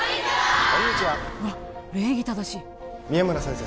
わっ礼儀正しい宮村先生